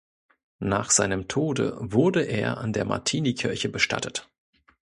Nach seinem Tode wurde er an der Martinikirche bestattet.